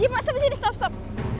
iya mak stop di sini stop stop